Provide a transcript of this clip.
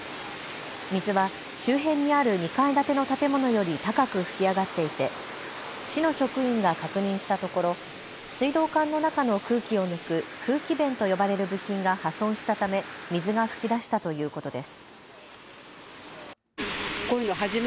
水は周辺にある２階建ての建物より高く噴き上がっていて市の職員が確認したところ、水道管の中の空気を抜く空気弁と呼ばれる部品が破損したため水が噴き出したということです。